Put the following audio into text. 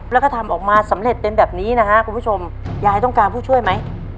แล้วก็ทำออกมาสำเร็จเป็นแบบนี้นะฮะคุณผู้ชมยายต้องการผู้ช่วยไหม